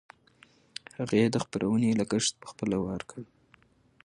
هغې د خپرونې لګښت پخپله ورکړ.